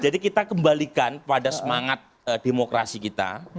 jadi kita kembalikan pada semangat demokrasi kita